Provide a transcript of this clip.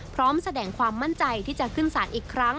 พร้อมแสดงความมั่นใจที่จะขึ้นสารอีกครั้ง